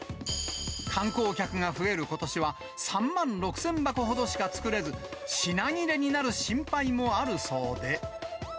観光客が増えることしは、３万６０００箱ほどしか作れず、品切れになる心配もあるそうで。